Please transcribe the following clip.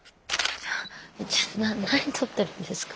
ちょ何撮ってるんですか。